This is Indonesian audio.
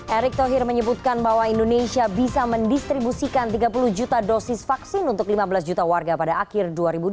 erick thohir menyebutkan bahwa indonesia bisa mendistribusikan tiga puluh juta dosis vaksin untuk lima belas juta warga pada akhir dua ribu dua puluh